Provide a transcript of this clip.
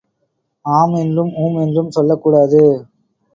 ஆம் என்றும் ஊம் என்றும் சொல்லக் கூடாது.